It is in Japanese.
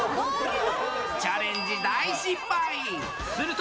チャレンジ大失敗。